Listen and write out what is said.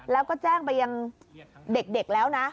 แล้วก็แจ้งไปยังเด็กแล้วนะ